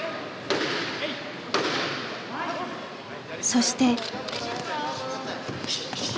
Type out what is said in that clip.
そして。